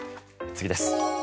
次です。